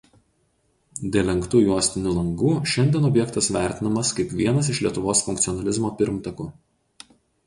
Dėl lenktų juostinių langų šiandien objektas vertinamas kaip vienas iš Lietuvos funkcionalizmo pirmtakų.